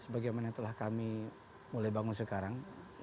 sebagaimana telah kami mulai bangun sekarang